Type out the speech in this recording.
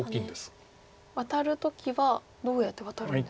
ワタる時はどうやってワタるんですか？